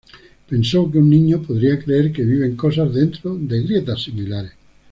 Pensó que un niño podría creer que viven cosas dentro de grietas similares.